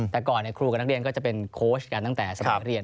แต่ก่อนครูกับนักเรียนก็จะเป็นโค้ชกันตั้งแต่สมัยเรียน